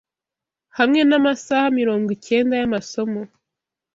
Hamwe namasaha mirongwikenda yamasomo